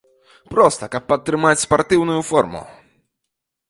Проста, каб падтрымаць спартыўную форму.